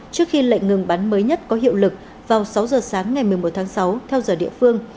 trước khi lệnh ngừng bắn mới nhất có hiệu lực vào sáu giờ sáng ngày một mươi một tháng sáu theo giờ địa phương